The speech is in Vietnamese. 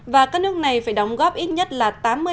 và các nước này phải đóng góp ít nhất là